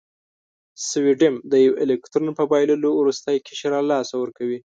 سوډیم د یو الکترون په بایللو وروستی قشر له لاسه ورکوي.